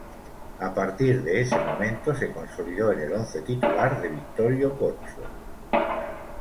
A partir de ese momento se consolidó en el once titular de Vittorio Pozzo.